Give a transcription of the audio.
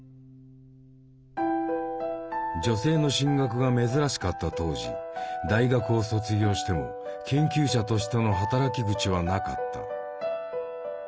女性の進学が珍しかった当時大学を卒業しても研究者としての働き口はなかった。